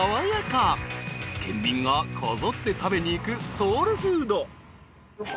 ［県民がこぞって食べに行くソウルフード］